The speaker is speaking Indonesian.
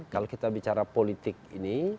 kalau kita bicara politik ini